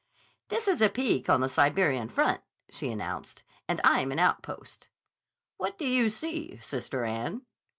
"This is a peak on the Siberian front," she announced. "And I'm an outpost." "What do you see, Sister Anne?"